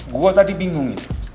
gue tadi bingung